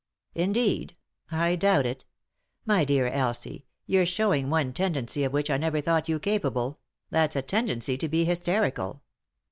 " Indeed ? I doubt it. My dear Elsie, you're showing one tendency of which I never thought you capable — that's a tendency to be hysterical.